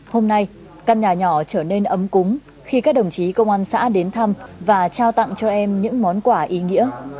hôm nay căn nhà nhỏ trở nên ấm cúng khi các đồng chí công an xã đến thăm và trao tặng cho em những món quà ý nghĩa